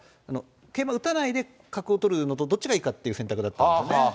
桂馬打たないで角を取らないとどっちがいいかという選択だったんですね。